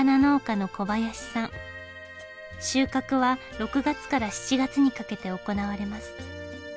収穫は６月から７月にかけて行われます。